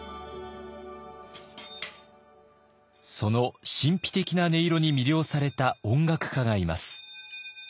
その神秘的な音色に魅了された音楽家がいます。